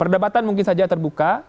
perdebatan mungkin saja terbuka